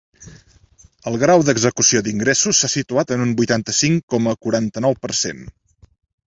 El grau d’execució d’ingressos s’ha situat en un vuitanta-cinc coma quaranta-nou per cent.